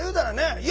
いや